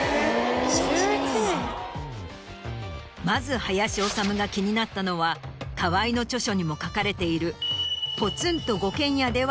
・１１年・まず林修が気になったのは河合の著書にも書かれている。